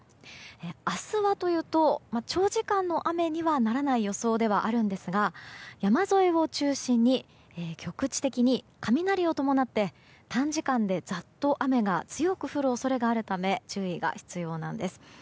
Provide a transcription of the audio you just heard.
明日はというと長時間の雨にはならない予想ではあるんですが山沿いを中心に局地的に雷を伴って短時間でざっと雨が強く降る恐れがあるため注意が必要なんです。